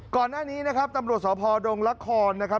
ก่อนหน้านี้นะครับตำรวจสพดงละครนะครับ